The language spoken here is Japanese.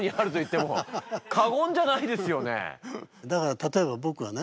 だから例えば僕がね